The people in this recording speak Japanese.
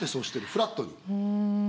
フラットに？